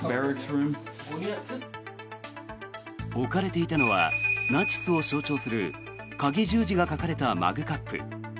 置かれていたのはナチスを象徴するかぎ十字が描かれたマグカップ。